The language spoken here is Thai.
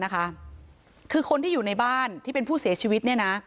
คือคนที่อยู่ในบ้านที่เป็นผู้เสียชีวิตเนี่ยนะ